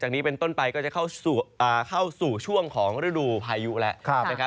เข้าสู่ช่วงของฤดูพายุและ